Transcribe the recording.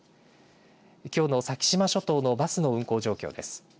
きょうの先島諸島のバスの運行状況です。